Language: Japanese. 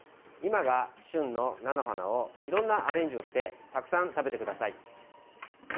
今が旬の菜の花をいろんなアレンジをしてたくさん食べてください。